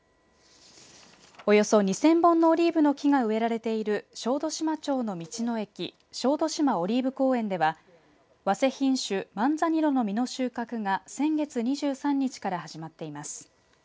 およそ２０００本のオリーブの木が植えられている小豆島町の道の駅小豆島オリーブ公園ではわせ品種マンザニロの実の収穫が先月２３日から始まっています。